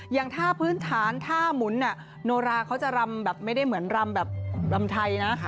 อย่างท่าพื้นฐานท่าหมุนโนราเขาจะรำแบบไม่ได้เหมือนรำแบบรำไทยนะ